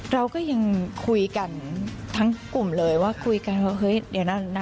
เราก็ยังคุยกันทั้งกลุ่มเลยว่าเฮ้ยนายเจอกันนะ